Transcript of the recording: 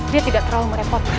dia tidak terlalu merepotkan